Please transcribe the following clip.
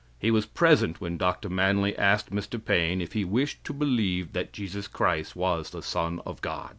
He was present when Dr. Manly asked Mr. Paine if he wished to believe that Jesus Christ was the Son of God.